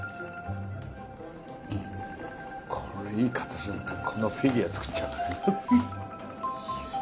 これいい形になったらこのフィギュア作っちゃう。